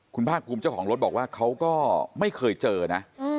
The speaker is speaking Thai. คุณภาคภูมิเจ้าของรถบอกว่าเขาก็ไม่เคยเจอนะ